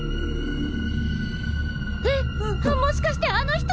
えっもしかしてあの人！